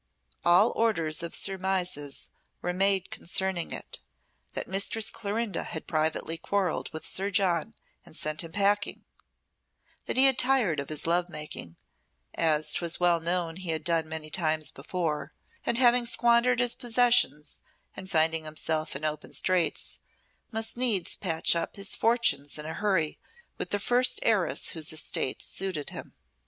All orders of surmises were made concerning it that Mistress Clorinda had privately quarrelled with Sir John and sent him packing; that he had tired of his love making, as 'twas well known he had done many times before, and having squandered his possessions and finding himself in open straits, must needs patch up his fortunes in a hurry with the first heiress whose estate suited him.